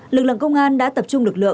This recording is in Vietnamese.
lực lượng công an đã tập trung lực lượng